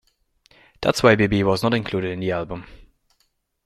That's why Bibi was not included in the album.